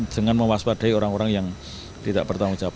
dengan mewaspadai orang orang yang tidak bertanggung jawab